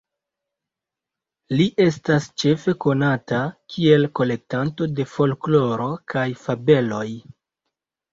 Li estas ĉefe konata kiel kolektanto de folkloro kaj fabeloj.